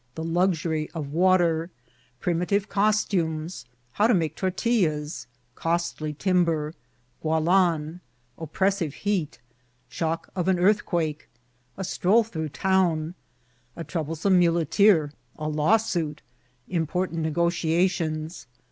— The Luxury of Water.— Primitit© Coetomea.— How to make TortiUaa.— Ckjetly Timber.— Gaalaa—OpprassiTe Heat— Shock of an Earthquake.— A atroU through the Town.— A troublesome If uleteer.— A Lawsuit— Important Negodatiens.